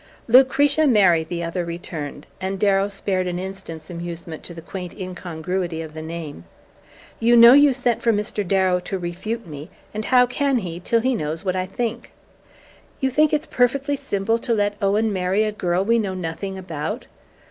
"Lucretia Mary," the other returned and Darrow spared an instant's amusement to the quaint incongruity of the name "you know you sent for Mr. Darrow to refute me; and how can he, till he knows what I think?" "You think it's perfectly simple to let Owen marry a girl we know nothing about?"